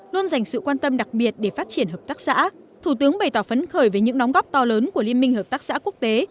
luôn dành sự quan tâm đặc biệt để phát triển hợp tác xã thủ tướng bày tỏ phấn khởi về những đóng góp to lớn của liên minh hợp tác xã quốc tế